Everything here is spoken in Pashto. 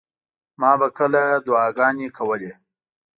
ما به کله دعاګانې کولې.